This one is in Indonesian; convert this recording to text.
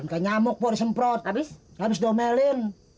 buka nyamuk buat disemprot habis habis domelin